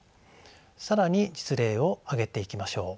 更に実例を挙げていきましょう。